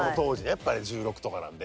やっぱり１６とかなんで。